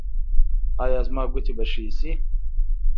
ایا زما ګوتې به ښې شي؟